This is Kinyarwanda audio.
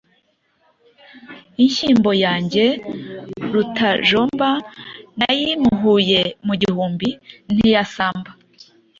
inshyimbo yange, rutajoma, nayimuhuye mu gihumbi ntiyasamba